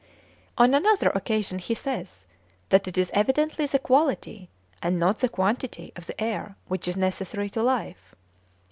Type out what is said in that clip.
On another occasion he says that it is evidently the quality and not the quantity of the air which is necessary to life.